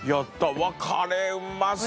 うわっカレーうまそう！